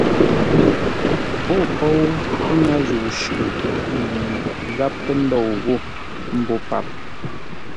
Ó póu ŋə́ zə̂u shʉʼʉ yi gháp pə́ ndôu ghô mbô páp.